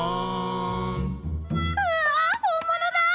わあ本物だ！